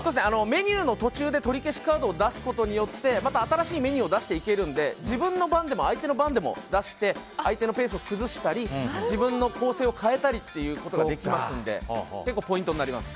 メニューの途中でとりけしカードを出すことによってまた新しいメニューを出していけるので自分の番でも相手の番でも出して相手のペースを崩したり自分の構成を変えたりということができますので結構ポイントになります。